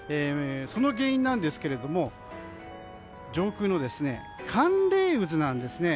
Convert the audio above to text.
その原因なんですけども上空の寒冷渦なんですね。